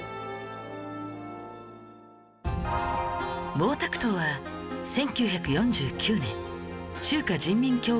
毛沢東は１９４９年中華人民共和国を建国